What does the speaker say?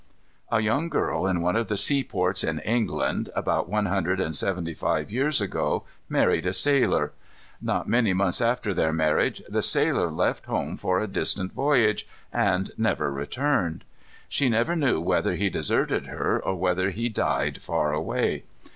A young girl in one of the seaports in England, about one hundred and seventy five years ago, married a sailor. Not many months after their marriage the sailor left home for a distant voyage, and never returned. She never knew whether he deserted her, or whether he died far away.